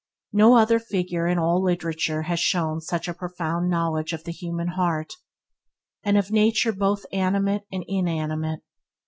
No other figure in all literature has shown such a profound knowledge of the human heart, and of nature both animate and inanimate.